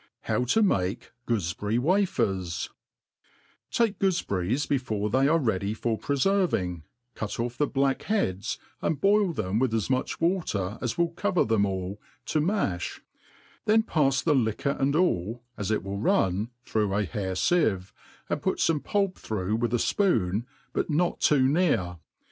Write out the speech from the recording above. How to make Goofeberry Wafers* ' TAKE gpofeberrics before they are ready for preferving, cut off the black beads, and boil them with as much water as will cover them all, to mafli ; then fafs the liquor and all, ja$ \t will run, through a hair fieve, and put fome pulp through With a fpoon, but not too near.